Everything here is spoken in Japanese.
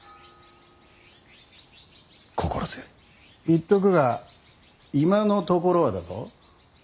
言っとくが今のところはだぞ。